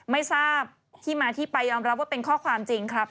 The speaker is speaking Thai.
ไม่ทราบที่มาที่ไปยอมรับว่าเป็นข้อความจริงครับ